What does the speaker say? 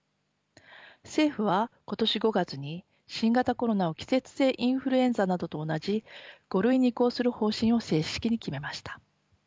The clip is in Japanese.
政府は今年５月に新型コロナを季節性インフルエンザなどと同じ５類に移行する方針を正式に決めました。